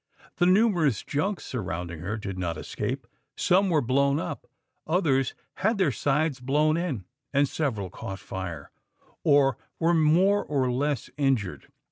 The numerous junks surrounding her did not escape; some were blown up, others had their sides blown in, and several caught fire or were more or less injured.